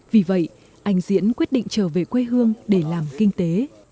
vì vậy anh diễn quyết định trở về quê hương để làm kinh tế